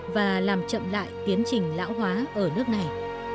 và làm chậm lại tiến trình lão hóa ở nước này